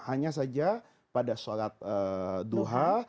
hanya saja pada sholat duha